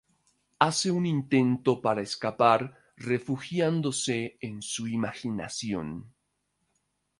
Hace un intento para escapar refugiándose en su imaginación.